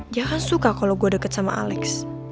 dia kan suka kalo gue deket sama alex